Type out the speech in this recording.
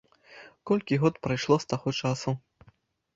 Колькі год прайшло з таго часу!